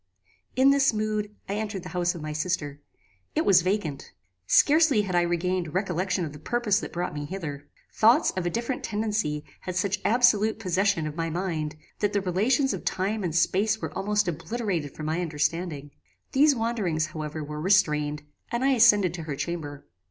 "In this mood, I entered the house of my sister. It was vacant. Scarcely had I regained recollection of the purpose that brought me hither. Thoughts of a different tendency had such absolute possession of my mind, that the relations of time and space were almost obliterated from my understanding. These wanderings, however, were restrained, and I ascended to her chamber.